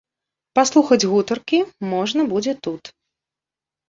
Паслухаць гутаркі можна будзе тут.